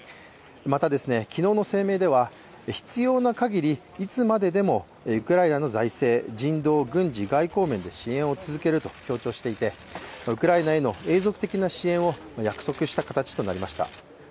また、昨日の声明では必要な限り、いつまででもウクライナの財政、人道、軍事、外交面で支援を続けると強調していて、ウクライナへの永続的な支援を約束した形となりました。